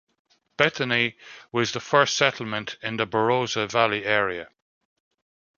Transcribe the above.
Bethany was the first settlement in the Barossa Valley area.